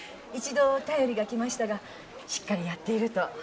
一度便りが来ましたがしっかりやっていると。